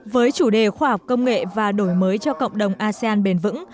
với chủ đề khoa học công nghệ và đổi mới cho cộng đồng asean bền vững